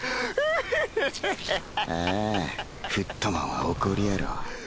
ああフットマンは怒るやろ